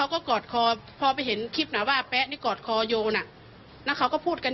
แม่ก็เลยบอกให้มามอบตัวตายแต่ว่าส่วนหนึ่งก็เพราะลูกชาย